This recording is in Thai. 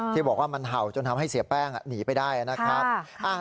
ที่บอกว่ามันเห่าจนทำให้เสียแป้งหนีไปได้นะครับ